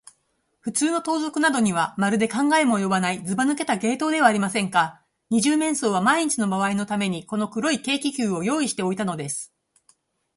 ふつうの盗賊などには、まるで考えもおよばない、ずばぬけた芸当ではありませんか。二十面相はまんいちのばあいのために、この黒い軽気球を用意しておいたのです。